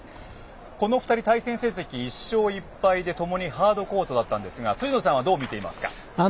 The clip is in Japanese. この２人、対戦成績１勝１敗でともにハードコートだったんですが辻野さんはどう見ていますか？